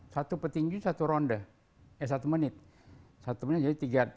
satu petinju satu ronde eh satu menit